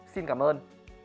xin cảm ơn